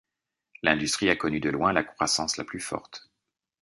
L'industrie a connu de loin la croissance la plus forte.